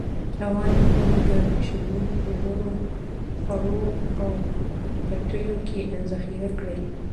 روانې اوبه په په شیلو، ژورو، خوړو او پټیو کې ذخیره کړی.